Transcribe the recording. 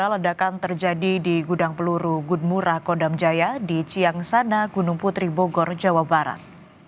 ledakan terjadi di gudang peluru gunmura kodamjaya di ciang sana gunung putri bogor jawa barat